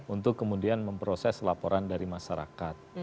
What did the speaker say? untuk kemudian memproses laporan dari masyarakat